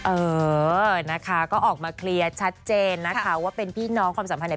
เอ่อนะคะก็ออกมาเช็ดนะคะว่าเป็นพี่นองความสัมพันธ์